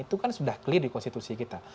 itu kan sudah clear di konstitusi kita